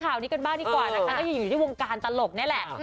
ข่าวนี้กันบ้างดีกว่านะคะก็ยังอยู่ที่วงการตลกนี่แหละ